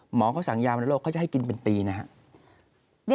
หมอเขาสั่งยามาในโลกเขาจะให้กินเป็นปีนะครับ